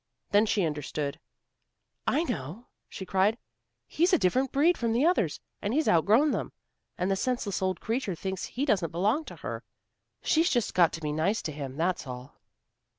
Then she understood. "I know," she cried. "He's a different breed from the others, and he's outgrown them, and the senseless old creature thinks he doesn't belong to her. She's just got to be nice to him, that's all."